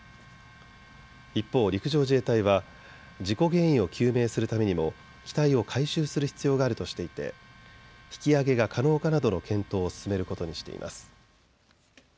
一方、陸上自衛隊は事故原因を究明するためにも機体を回収する必要があるとしていて引き揚げが可能かなどの検討を進めることにしています。